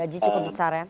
gaji cukup besar ya